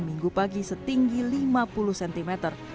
minggu pagi setinggi lima puluh cm